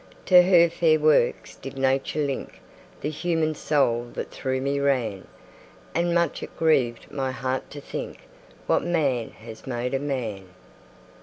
To her fair works did Nature link The human soul that through me ran; And much it grieved my heart to think What man has made of man.